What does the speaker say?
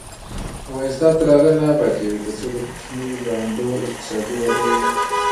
افغانستان تر هغو نه ابادیږي، ترڅو د کوچنیو بانډو اقتصاد وده ونه کړي.